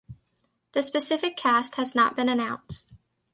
The specific cast has not been announced.